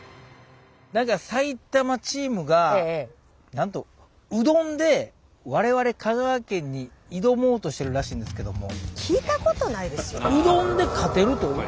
何か埼玉チームがなんとうどんで我々香川県に挑もうとしてるらしいんですけども。